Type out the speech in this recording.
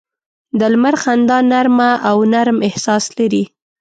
د لمر خندا نرمه او نرم احساس لري